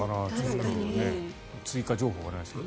追加情報はないですけど。